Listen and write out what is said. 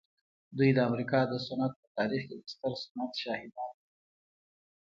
دوی د امریکا د صنعت په تاریخ کې د ستر صنعت شاهدان وو